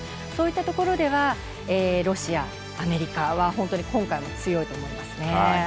そういったところではロシア、アメリカは本当に今回も強いと思います。